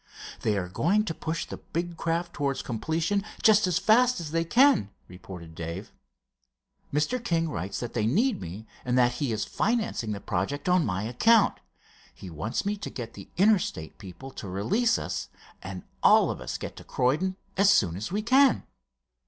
"They are going to push the big craft towards completion just as fast as they can," reported Dave. "Mr. King writes that they need me and that he is financing the project on my account. He wants me to get the Interstate people to release us, and all of us get to Croydon soon as we can."